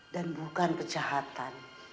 dan bukan kejahatan